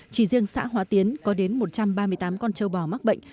chỉ riêng xã hóa tiến có đến một trăm ba mươi tám con châu bò mắc bệnh